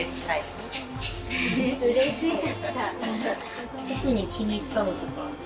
特に気に入ったのとか？